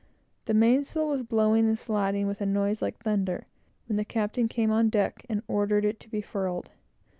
The mainsail was blowing and slatting with a noise like thunder, when the captain came on deck, and ordered it to be furled.